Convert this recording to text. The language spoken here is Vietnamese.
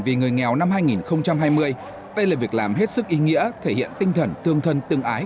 vì người nghèo năm hai nghìn hai mươi đây là việc làm hết sức ý nghĩa thể hiện tinh thần tương thân tương ái